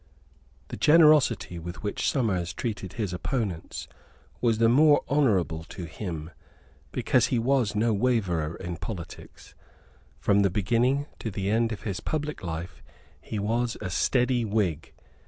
The generosity with which Somers treated his opponents was the more honourable to him because he was no waverer in politics. From the beginning to the end of his public life he was a steady Whig.